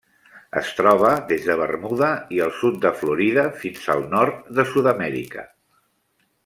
Es troba des de Bermuda i el sud de Florida fins al nord de Sud-amèrica.